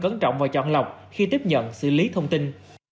cẩn trọng và chọn lọc khi tiếp nhận xử lý thông tin